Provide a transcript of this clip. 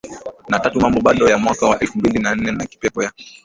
na tatu Mambo Bado ya mwaka wa elfu mbili na nne na Kipepo ya